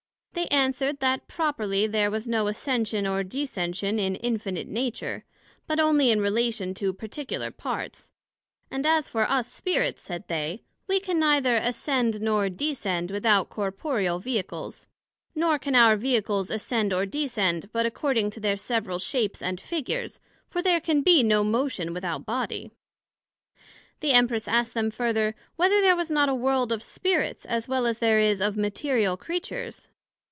They answered, That properly there was no ascension or descension in Infinite Nature, but onely in relation to particular parts; and as for us Spirits, said they, We can neither ascend nor descend without corporeal Vehicles; nor can our Vehicles ascend or descend, but according to their several shapes and figures, for there can be no motion without body. The Empress asked them further, Whether there was not a World of Spirits, as well as there is of Material Creatures?